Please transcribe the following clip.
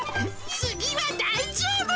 次は大丈夫。